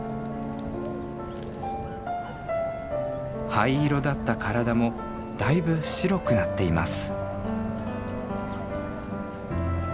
灰色だった体もだいぶ白くなっています。